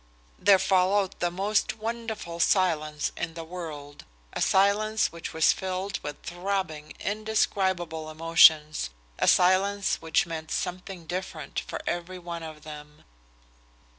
There followed the most wonderful silence in the world, a silence which was filled with throbbing, indescribable emotions, a silence which meant something different for every one of them.